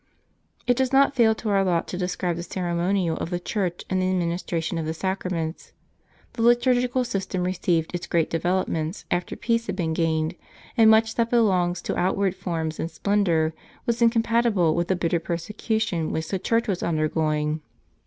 It does not fall to our lot to describe the ceremonial of the Church in the administration of the Sacraments. The litui gical system received its great developments after peace had been gained ; and much that belongs to outward forms and splendor was incompatible with the bitter persecution which the Church was undergoing.